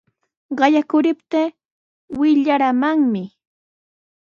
Qayakuriptii wiyaramanmi.